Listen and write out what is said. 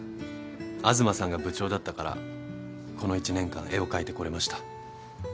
東さんが部長だったからこの１年間絵を描いてこれました。